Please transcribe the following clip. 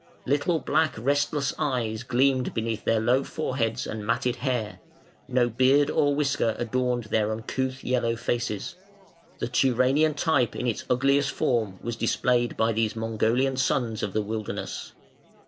Little black restless eyes gleamed beneath their low foreheads and matted hair; no beard or whisker adorned their uncouth yellow faces; the Turanian type in its ugliest form was displayed by these Mongolian sons of the wilderness.